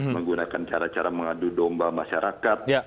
menggunakan cara cara mengadu domba masyarakat